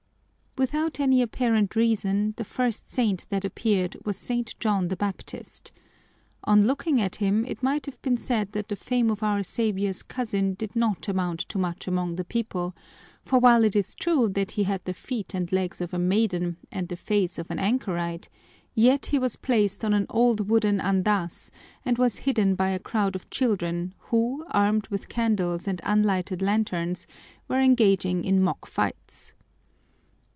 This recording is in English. Without any apparent reason, the first saint that appeared was St. John the Baptist. On looking at him it might have been said that the fame of Our Savior's cousin did not amount to much among the people, for while it is true that he had the feet and legs of a maiden and the face of an anchorite, yet he was placed on an old wooden andas, and was hidden by a crowd of children who, armed with candles and unlighted lanterns, were engaging in mock fights.